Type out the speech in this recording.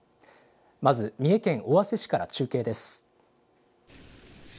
まず三重県尾鷲市から中継です。